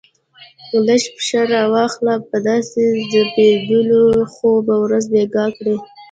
لږ پښه را واخله، په داسې ځبېدلو خو به ورځ بېګا کړې.